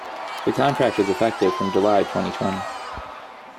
The contract is effective from July twenty twenty.